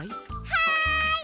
はい！